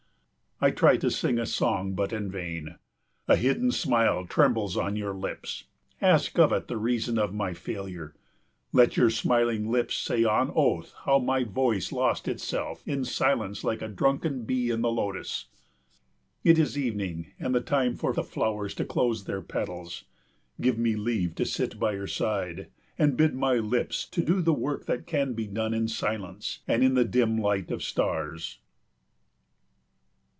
I try to sing a song, but in vain. A hidden smile trembles on your lips, ask of it the reason of my failure. Let your smiling lips say on oath how my voice lost itself in silence like a drunken bee in the lotus. It is evening, and the time for the flowers to close their petals. Give me leave to sit by your side, and bid my lips to do the work that can be done in silence and in the dim light of stars.